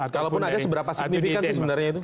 kalaupun ada seberapa signifikan sih sebenarnya itu